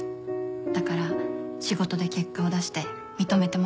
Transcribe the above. だから仕事で結果を出して認めてもらわないと。